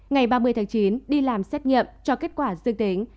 ngày ba mươi tháng chín đi làm xét nghiệm cho kết quả dương tính